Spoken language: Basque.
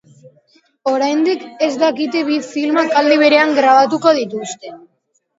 Oraindik ez dakite bi filmak aldi berean grabatuko dituzten.